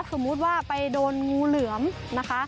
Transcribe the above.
สมมุติว่าไปโดนงูเหลือมนะคะ